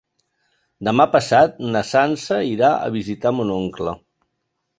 Demà passat na Sança irà a visitar mon oncle.